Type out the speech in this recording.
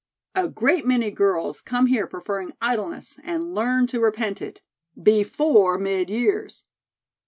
A great many girls come here preferring idleness and learn to repent it before mid years."